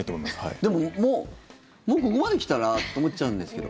でももうここまで来たらと思っちゃうんですけど。